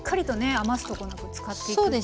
余すとこなく使っていくという。